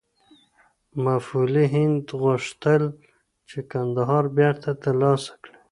مغولي هند غوښتل چې کندهار بېرته ترلاسه کړي.